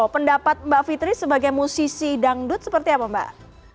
pendapat mbak fitri sebagai musisi dangdut seperti apa mbak